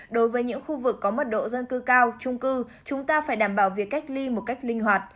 đối với những khu vực có mật độ dân cư cao trung cư chúng ta phải đảm bảo việc cách ly một cách linh hoạt